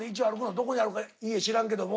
どこにあるか家知らんけども。